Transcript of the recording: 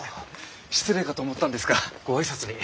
失礼かと思ったんですがご挨拶に。